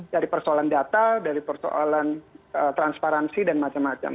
dari persoalan data dari persoalan transparansi dan macam macam